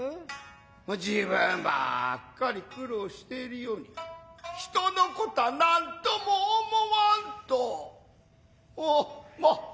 自分ばっかり苦労しているように人のことはなんとも思わんとまっおたの申しまっせ。